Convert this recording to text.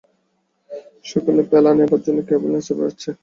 সকলেই প্যালা নেবার জন্যে কেবল নেচে বেড়াচ্ছে!